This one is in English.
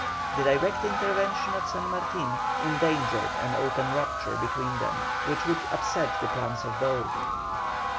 The direct intervention of San Martin endangered an open rupture between them, which would upset the plans of both.